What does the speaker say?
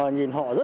nhìn họ rất là tốt